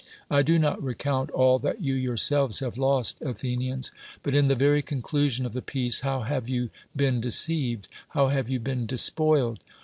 I do not recount all that you yourselves have lost, Athenians; but in the very conclusion of the peace, how have you been deceived? how have you been despoiled?